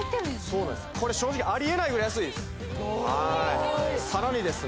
そうなんですこれ正直ありえないぐらい安いですおおさらにですね